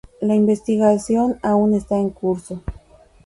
La investigación aún está en curso.